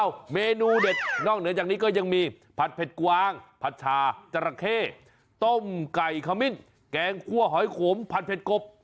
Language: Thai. เมนูเด็ดนอกเหนือจากนี้ก็ยังมีผัดเผ็ดกวางผัดชาจราเข้ต้มไก่ขมิ้นแกงคั่วหอยขมผัดเผ็ดกบ